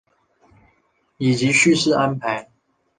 以及叙事安排